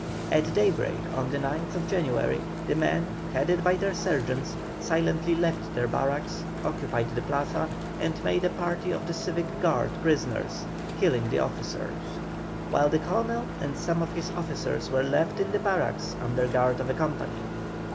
At daybreak on the 9th January the men, headed by their sergeants, silently left their barracks, occupied the Plaza, and made a party of the civic guard prisoners, killing the officer; while the Colonel and some of his officers were left in the barracks under guard of a company.